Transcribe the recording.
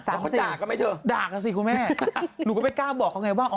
แล้วเขาด่าก็ไหมเธอด่ากันสิคุณแม่หนูก็ไม่กล้าบอกเขาไงว่า